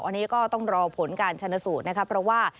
อันนี้ก็ต้องรอผลการชนสูตรนะครับเพราะว่า